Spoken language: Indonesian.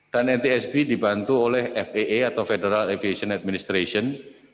dan ntsb dibantu oleh faa atau federal aviation administration